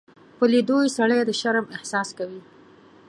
په لیدو یې سړی د شرم احساس کوي.